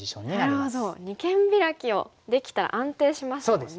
二間ビラキをできたら安定しますもんね。